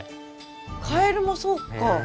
カエルもそうか。